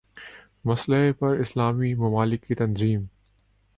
مسئلے پر اسلامی ممالک کی تنظیم